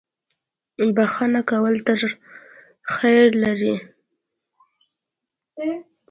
• بښنه کول تل خیر لري.